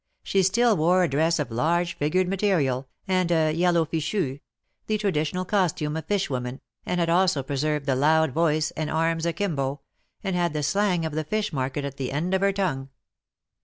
She still wore a dress of a large figured material, and a yellow fichu — the traditional costume of fish women, and had also preserved the loud voice, and arms akimbo — and had the slang of the fish market at the end of her tongue.